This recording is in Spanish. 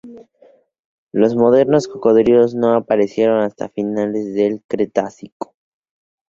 Los modernos cocodrilos no aparecieron hasta finales del Cretácico.